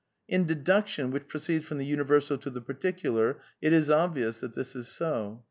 In deduction, which proceeds from the universal to the particular, it is obvious that this is so.